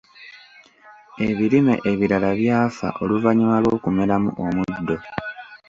Ebirime ebirala byafa oluvannyuma lw'okumeramu omuddo.